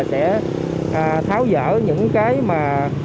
sẽ tháo dỡ những cái mà